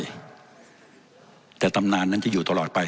แต่ตำนานนั้นจะอยู่ตลอดไปแต่ตำนานนั้นจะอยู่ตลอดไป